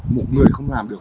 một người không làm được